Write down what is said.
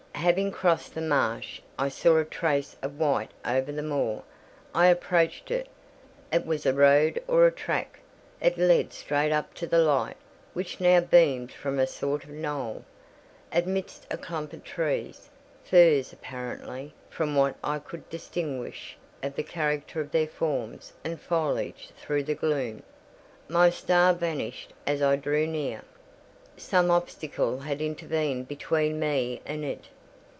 Having crossed the marsh, I saw a trace of white over the moor. I approached it; it was a road or a track: it led straight up to the light, which now beamed from a sort of knoll, amidst a clump of trees—firs, apparently, from what I could distinguish of the character of their forms and foliage through the gloom. My star vanished as I drew near: some obstacle had intervened between me and it.